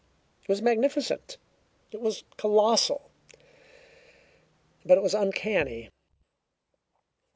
It was magnificent; it was colossal; but it was uncanny.